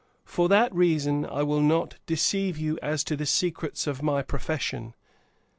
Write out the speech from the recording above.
For that reason, I will not deceive you as to the secrets of my profession.